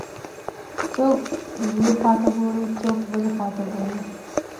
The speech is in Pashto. څوک یوې خواته ګوري، څوک بلې خواته ګوري.